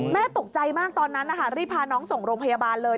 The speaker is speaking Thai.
แม่ตกใจมากตอนนั้นนะคะรีบพาน้องส่งโรงพยาบาลเลย